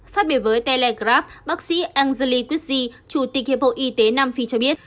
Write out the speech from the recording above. phát biểu với telegraph bác sĩ angeli kutsi chủ tịch hiệp hội y tế nam phi cho biết